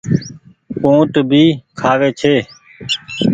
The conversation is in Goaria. اُٽ ڀي کآوي ڇي۔